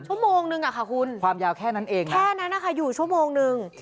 ชั่วโมงนึงอะค่ะคุณความยาวแค่นั้นเองแค่นั้นนะคะอยู่ชั่วโมงนึง